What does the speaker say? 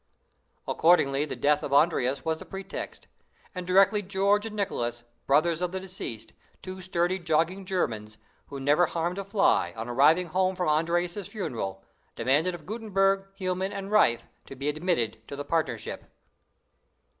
Accordingly the death of Andreas was the pretext; and directly George and Nicholas, brothers of the deceased, two sturdy jogging Germans, who never harmed a fly, on arriving home from Andreas's funeral, demanded of Gutenberg, Hielman, and Riffe to be admitted to the partnership!